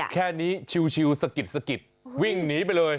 แค่นี้ชิลสะกิดวิ่งหนีไปเลย